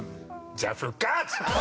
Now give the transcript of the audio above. じゃあ復活！